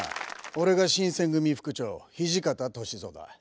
俺が新選組副長土方歳三だ。